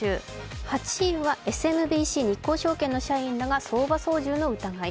８位はＳＭＢＣ日興證券の社員が相場操縦の疑い。